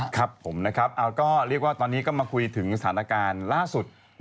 ครับผมนะครับก็เรียกว่าตอนนี้ก็มาคุยถึงสถานการณ์ล่าสุด